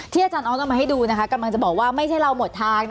อาจารย์ออสเอามาให้ดูนะคะกำลังจะบอกว่าไม่ใช่เราหมดทาง